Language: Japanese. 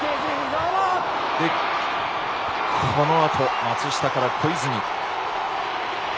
このあと、松下から小泉。